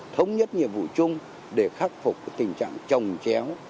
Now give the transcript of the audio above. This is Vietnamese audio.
thống nhất nhiệm vụ chung để khắc phục tình trạng trồng chéo